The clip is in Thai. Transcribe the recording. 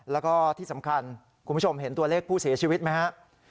แล้วก็ที่สำคัญคุณผู้ชมเห็นตัวเลขผู้เสียชีวิตไหมครับ